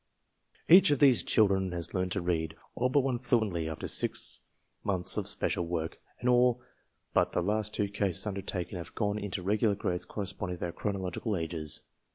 Each of these children has learned to read, all but one fluently, after six months of special work, and all but the last two cases undertaken have gone into the regular grades corresponding to their chronological ages.